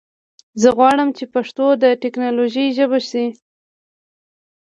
زه غواړم چې پښتو د ټکنالوژي ژبه شي.